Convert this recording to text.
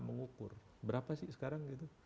mengukur berapa sih sekarang